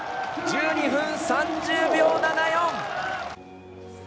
１２分３０秒７４！